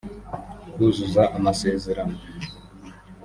kuzuza amasezerano